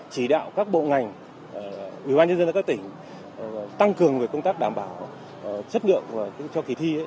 chỉ đạo các bộ ngành ubnd các tỉnh tăng cường công tác đảm bảo chất lượng cho kỳ thi